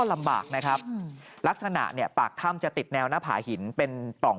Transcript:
ลำบากนะครับลักษณะเนี่ยปากถ้ำจะติดแนวหน้าผาหินเป็นปล่อง